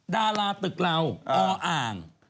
ดาราตึกเราออ่าง